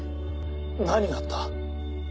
何があった？